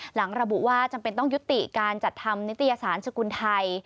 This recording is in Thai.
หลังระบุว่าจำเป็นต้องยุติการจัดทำนิตยสารสกุลไทย